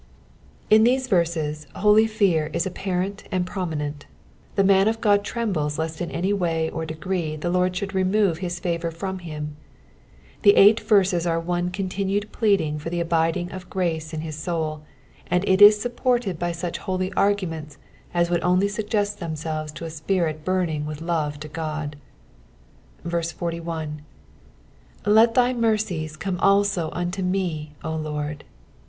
In these yerses holy fear is apparent and prominent. The man of God trembles lest in any way or degree the Lord snould remove his favour from him. The eight verses are one continued pleading for the abiding of grace in his soul, and it is supported by such holy arguments as would only suggest themselves to a spirit burning with love to God. 41. 2>t Vvy mercies come also unto mey Lord."